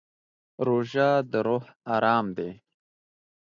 روژه د روح ارام دی.